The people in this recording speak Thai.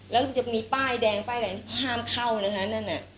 แล้วจะมีป้ายแดงป้ายอะไรเขาห้ามเข้านะคะนั่นน่ะ